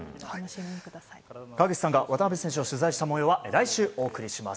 川口さんが渡邊選手を取材した模様は来週お送りします。